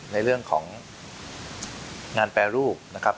ในเรื่องของงานแปรรูปนะครับ